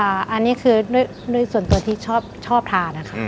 อันนี้คือด้วยส่วนตัวที่ชอบทานนะคะ